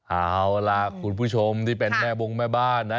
เอาล่ะคุณผู้ชมที่เป็นแม่บงแม่บ้านนะ